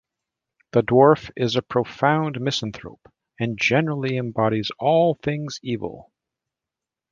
The dwarf is a profound misanthrope and generally embodies all things evil.